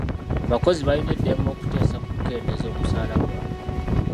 Abakozi balina eddembe okuteesa ku kukendeeza omusaala gwabwe.